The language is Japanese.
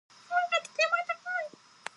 声がとても高い